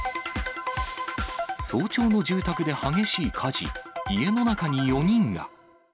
早朝の住宅で激しい火事、家の中に４人が。